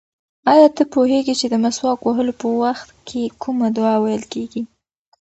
ایا ته پوهېږې چې د مسواک وهلو په وخت کې کومه دعا ویل کېږي؟